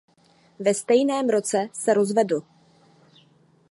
Ve stejném roce se rozvedl.